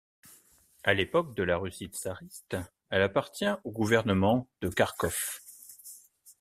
À l'époque de la Russie tsariste, elle appartient au gouvernement de Kharkov.